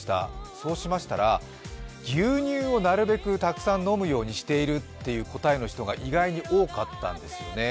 そうしましたら、牛乳をなるべくたくさん飲むようにしているという答えの人が意外に多かったんですよね。